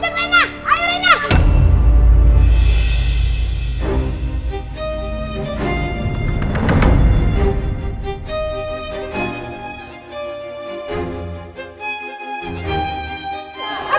rena om baik lanjutin